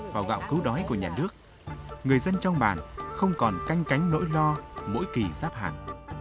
vào gạo cứu đói của nhà nước người dân trong bàn không còn canh cánh nỗi lo mỗi kỳ giáp hạt